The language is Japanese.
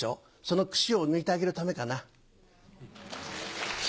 その串を抜いてあげるためかな。